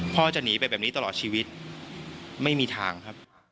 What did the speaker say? จะหนีไปแบบนี้ตลอดชีวิตไม่มีทางครับ